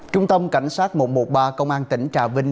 trung tâm cảnh sát một trăm một mươi ba công an tỉnh trà vinh